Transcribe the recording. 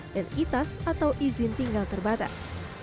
dan itas atau izin tinggal terbatas